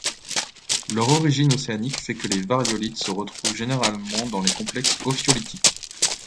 Leur origine océanique fait que les variolites se retrouvent généralement dans les complexes ophiolitiques.